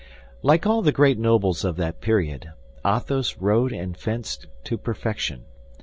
Like all the great nobles of that period, Athos rode and fenced to perfection.